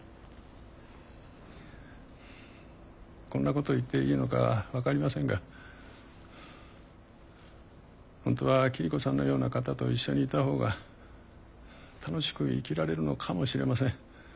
こんなこと言っていいのか分かりませんが本当は桐子さんのような方と一緒にいた方が楽しく生きられるのかもしれません。